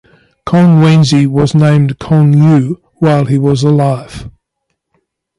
Kong Wenzi was named Kong Yu while he was alive.